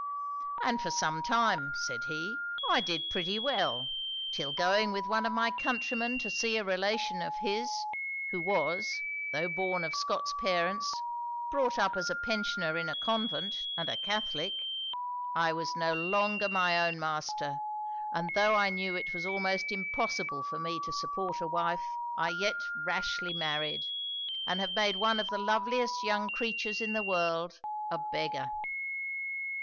'"And for some time," said he, "I did pretty well; till going with one of my countrymen to see a relation of his, who was (tho' born of Scots parents) brought up as a pensioner in a convent, and a Catholic, I was no longer my own master, and tho' I knew that it was almost impossible for me to support a wife, I yet rashly married, and have made one of the loveliest young creatures in the world a beggar.